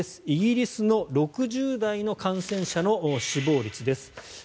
イギリスの６０代の感染者の死亡率です。